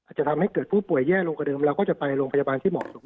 จะทำให้เกิดผู้ป่วยแย่ลงกว่าเดิมเราก็จะไปโรงพยาบาลที่เหมาะสม